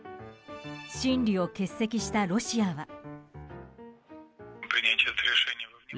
審理を欠席したロシアは。